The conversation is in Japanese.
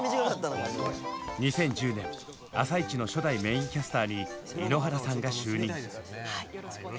２０１０年「あさイチ」の初代メインキャスターに井ノ原さんが就任。